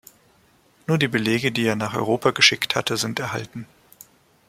Nur die Belege, die er nach Europa geschickt hatte, sind erhalten.